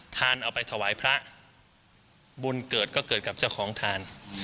เอาไปถวายพระบุญเกิดก็เกิดกับเจ้าของทาน